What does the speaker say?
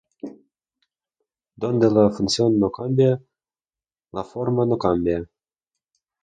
Dónde la función no cambia, la forma no cambia.